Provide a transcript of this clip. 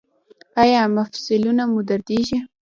ایا مفصلونه مو دردیږي؟